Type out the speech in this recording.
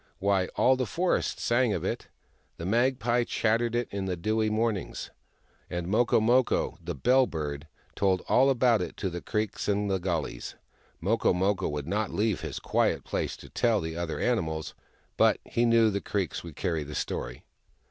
" Wliy, all the forest sang of it ! The mag pie chattered it in the dewy mornings, and Moko Moko, the Bell Bird, told all about it to the creeks in the gullies. Moko Moko w^ould not leave his quiet places to tell the other animals, but he knew the creeks would carry the story.